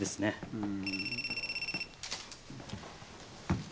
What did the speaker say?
うん。